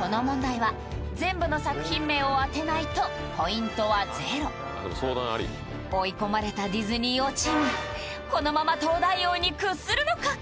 この問題は全部の作品名を当てないとポイントはゼロ追い込まれたディズニー王チームこのまま東大王に屈するのか？